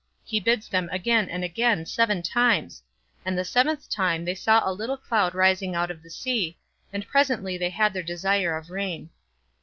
He bids them again and again seven times; and at the seventh time they saw a little cloud rising out of the sea, and presently they had their desire of rain.